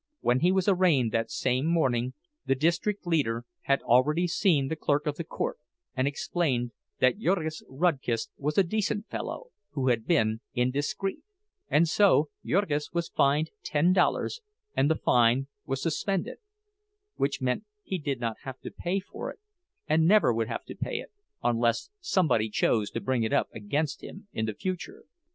When he was arraigned that same morning, the district leader had already seen the clerk of the court and explained that Jurgis Rudkus was a decent fellow, who had been indiscreet; and so Jurgis was fined ten dollars and the fine was "suspended"—which meant that he did not have to pay for it, and never would have to pay it, unless somebody chose to bring it up against him in the future.